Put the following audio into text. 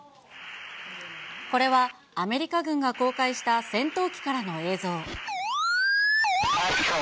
これはアメリカ軍が公開した戦闘機からの映像。